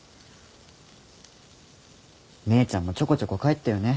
姉ちゃんもちょこちょこ帰ってよね。